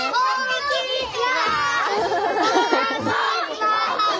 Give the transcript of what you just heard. こんにちは！